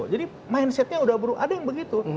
jadi mindsetnya sudah baru ada yang begitu